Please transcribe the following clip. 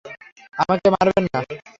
আমাকে মারবেন না।